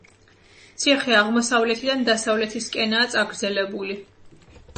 ციხე აღმოსავლეთიდან დასავლეთისკენაა წაგრძელებული.